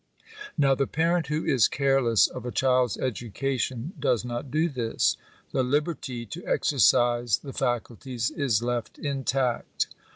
Now the parent who is careless of a child's education does not do this. The liberty to exercise the faculties is left intact.